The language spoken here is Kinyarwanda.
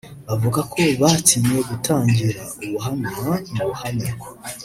avuga ko batinye gutangira ubuhamya mu ruhame